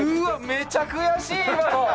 めちゃ悔しい今の。